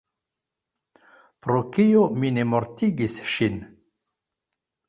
Pro kio mi ne mortigis ŝin?